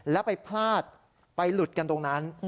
แล้วไปพลาดไปหลุดกันตรงนั้น